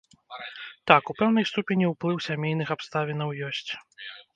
Так, у пэўнай ступені ўплыў сямейных абставінаў ёсць.